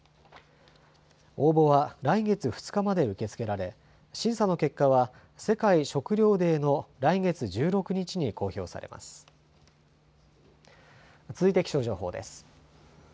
応募は来月２日まで受け付けられ、審査の結果は世界食料デーの来月１６日に公表されます。